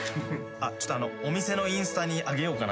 あっちょっとお店のインスタに上げようかなと思って。